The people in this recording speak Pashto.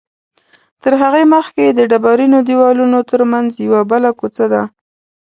تر هغې مخکې د ډبرینو دیوالونو تر منځ یوه بله کوڅه ده.